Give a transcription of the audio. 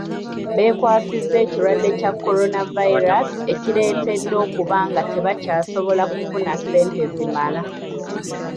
Bekwasiza ekirwadde kya coronavirus ekireetedde okuba nga tebakyasobola kufuna sente zimala.